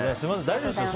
大丈夫ですよ。